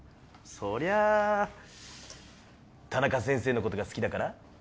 そりゃあ田中先生のことが好きだから？